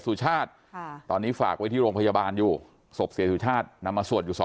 สุชาติตอนนี้ฝากไว้ที่โรงพยาบาลอยู่ศพเสียสุชาตินำมาสวดอยู่๒